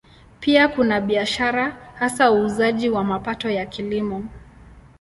Pia kuna biashara, hasa uuzaji wa mapato ya Kilimo.